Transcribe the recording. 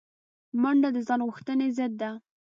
منډه د ځان غوښتنې ضد ده